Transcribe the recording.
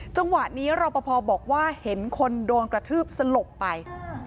จังหวะนี้รอปภบอกว่าเห็นคนโดนกระทืบสลบไป